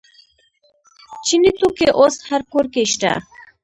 چیني توکي اوس هر کور کې شته.